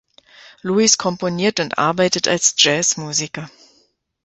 Louis komponiert und arbeitet als Jazzmusiker.